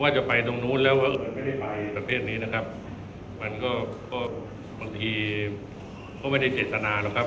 จะไปตรงนู้นแล้วว่าไม่ได้ไปประเภทนี้นะครับมันก็ก็บางทีก็ไม่ได้เจตนาหรอกครับ